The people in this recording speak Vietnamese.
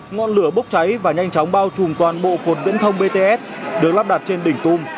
ngọn lửa bốc cháy và nhanh chóng bao trùm toàn bộ cột viễn thông bts được lắp đặt trên đỉnh tung